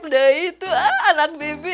udah itu anak bibi